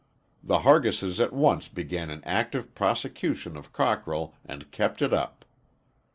The Hargises at once began an active prosecution of Cockrell and kept it up.